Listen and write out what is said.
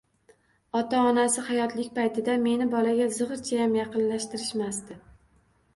Ota-onasi hayotlik paytida meni bolaga zigʻirchayam yaqinlashtirmasdi.